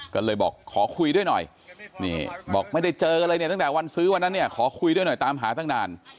ก็เลยบอกขอคุยด้วยหน่อยนี่บอกไม่ได้เจอกันเลยเนี่ยตั้งแต่วันซื้อวันนั้นเนี่ยขอคุยด้วยหน่อยตามหาตั้งนาน